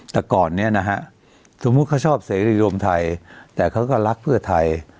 แต่ก่อนเนี่ยนะฮะสมมุติเขาชอบเสรีรวมไทยแต่เขาก็รักเพื่อไทย